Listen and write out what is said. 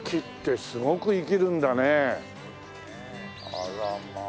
あらまあ。